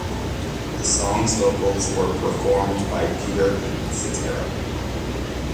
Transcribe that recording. The song's vocals were performed by Peter Cetera.